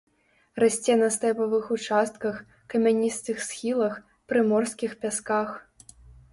Расце на стэпавых участках, камяністых схілах, прыморскіх пясках.